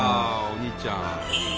お兄ちゃん。